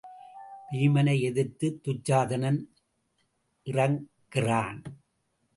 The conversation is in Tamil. வீமனை எதிர்த்துத் துச்சாதனன் இறக் கிறான்.